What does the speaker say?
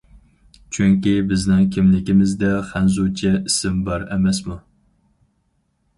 چۈنكى بىزنىڭ كىملىكىمىزدە خەنزۇچە ئىسىم بار ئەمەسمۇ.